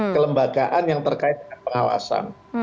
kelembagaan yang terkait pengawasan